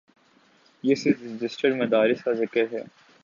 یہ صرف رجسٹرڈ مدارس کا ذکر ہے۔